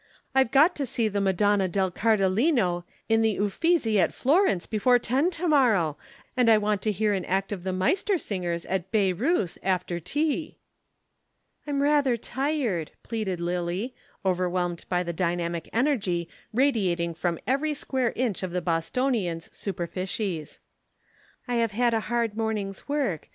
I've got to see the Madonna del Cardellino in the Uffizi at Florence before ten to morrow, and I want to hear an act of the Meistersingers at Bayreuth after tea." "I'm rather tired," pleaded Lillie, overwhelmed by the dynamic energy radiating from every square inch of the Bostonian's superficies. "I have had a hard morning's work.